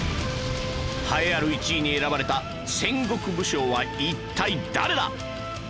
栄えある１位に選ばれた戦国武将は一体誰だ？